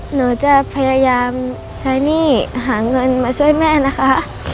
หนูจะพยายามใช้หนี้หาเงินมาช่วยแม่นะคะ